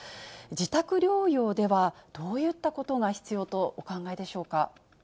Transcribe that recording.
自宅療養ではどういったことが必要とお考えでしょうか。